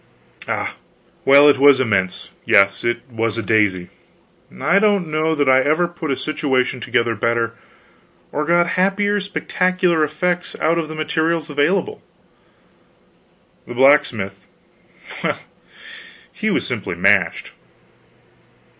Ah, well, it was immense; yes, it was a daisy. I don't know that I ever put a situation together better, or got happier spectacular effects out of the materials available. The blacksmith well, he was simply mashed.